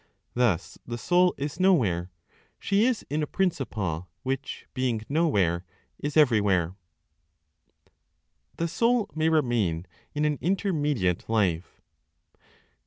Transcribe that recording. Thus the Soul is nowhere; she is in a principle which, being nowhere, is everywhere. THE SOUL MAY REMAIN IN AN INTERMEDIATE LIFE.